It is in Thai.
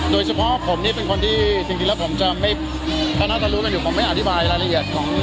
โดยเฉพาะผมนี่เป็นคนที่จริงแล้วผมจะไม่ก็น่าจะรู้กันอยู่ผมไม่อธิบายรายละเอียดของ